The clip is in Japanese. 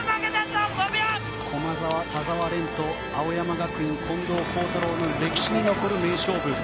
駒澤、田澤廉と青山学院、近藤幸太郎の歴史に残る名勝負。